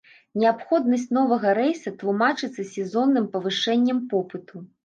Неабходнасць новага рэйса тлумачыцца сезонным павышэннем попыту.